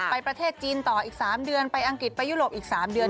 ประเทศจีนต่ออีก๓เดือนไปอังกฤษไปยุโรปอีก๓เดือน